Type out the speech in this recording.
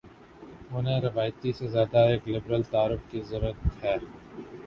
انہیں روایتی سے زیادہ ایک لبرل تعارف کی ضرت ہے۔